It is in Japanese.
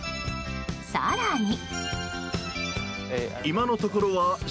更に。